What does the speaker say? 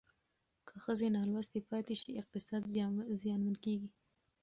که ښځې نالوستې پاتې شي اقتصاد زیانمن کېږي.